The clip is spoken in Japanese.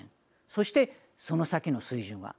そして、その先の水準は。